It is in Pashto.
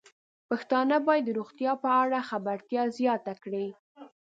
پښتانه بايد د روغتیا په اړه خبرتیا زياته کړي.